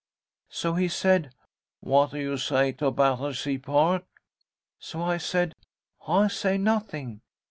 So he said, 'What do you say to Battersea Park?' So I said, 'I say nothing.